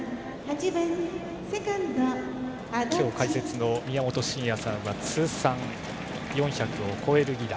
今日、解説の宮本慎也さんは通算４００を超える犠打。